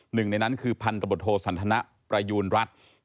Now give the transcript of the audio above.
หนึ่งในนั้นคือพันธบทโทสันทนะประยูณรัฐ